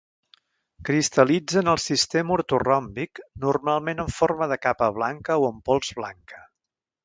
Cristal·litza en el sistema ortoròmbic, normalment en forma de capa blanca o en pols blanca.